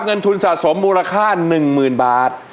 เงินทุนสะสมมูลค่า๑๐๐๐บาท